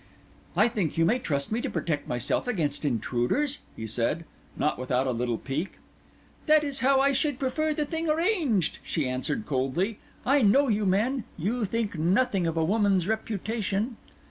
"I think you may trust me to protect myself against intruders," he said, not without a little pique. "That is how I should prefer the thing arranged," she answered coldly. "I know you men; you think nothing of a woman's reputation."